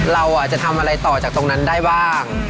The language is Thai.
เราจะทำอะไรต่อจากตรงนั้นได้บ้าง